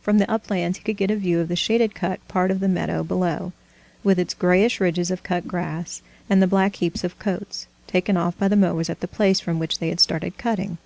From the uplands he could get a view of the shaded cut part of the meadow below, with its grayish ridges of cut grass, and the black heaps of coats, taken off by the mowers at the place from which they had started cutting.